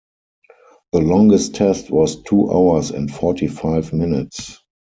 The longest test was two hours and forty-five minutes.